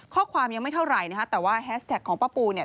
ความยังไม่เท่าไหร่นะฮะแต่ว่าแฮสแท็กของป้าปูเนี่ย